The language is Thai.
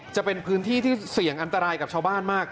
จะเป็นพื้นที่ที่เสี่ยงอันตรายกับชาวบ้านมาก